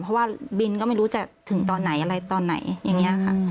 เพราะว่าบินก็ไม่รู้จะถึงตอนไหนอะไรตอนไหนอย่างนี้ค่ะ